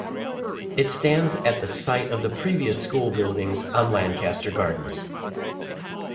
It stands at the site of the previous school buildings on Lancaster Gardens.